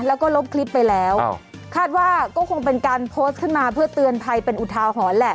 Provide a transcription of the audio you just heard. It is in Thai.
แล้วก็ลบคลิปไปแล้วคาดว่าก็คงเป็นการโพสต์ขึ้นมาเพื่อเตือนภัยเป็นอุทาหรณ์แหละ